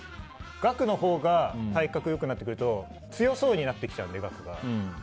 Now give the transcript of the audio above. ガクのほうが体格がよくなってくると強そうになってきちゃうのでガクが。